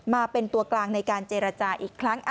มาเป็นตัวกลางในการเจรจาอีกครั้ง